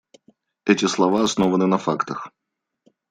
Эти слова основаны на фактах.